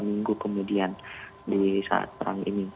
minggu kemudian di saat perang ini